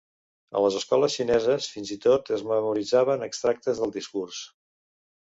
A les escoles xineses fins i tot es memoritzaven extractes del discurs.